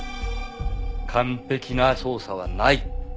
完璧な捜査はない。